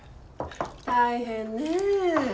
大変ねぇ。